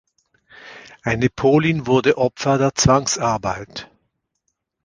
Eine Polin wurde Opfer der Zwangsarbeit.